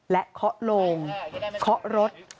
เคาะโลงเคาะรถ